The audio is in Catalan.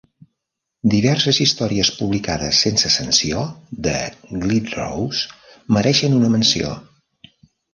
Diverses històries publicades sense sanció, de Glidrose, mereixen una menció.